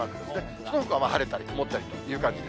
そのほかは晴れたり曇ったりという感じです。